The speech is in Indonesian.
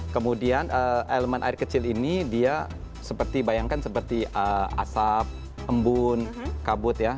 kemudian elemen air kecil ini dia seperti bayangkan seperti asap embun kabut ya